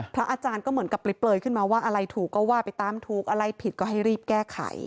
พระอาจารย์ก็เหมือนกับเปลยขึ้นมาว่าอะไรถูกก็ว่าไปตามถูกอะไรผิดก็ให้รีบแก้ไข